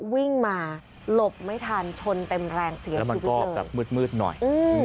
วิ่งมาหลบไม่ทันชนเต็มแรงเสียแล้วมันก็แบบมืดหน่อย